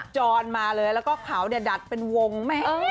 จรมาเลยแล้วก็ขาวดัดเป็นวงแม่ง